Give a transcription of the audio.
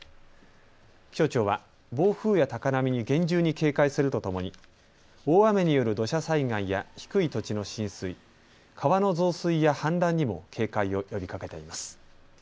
気象庁は暴風や高波に厳重に警戒するとともに大雨による土砂災害や低い土地の浸水、川の増水や氾濫にも警戒を呼びかけています。